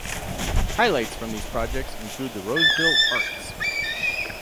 Highlights from these projects include the Roseville Arts!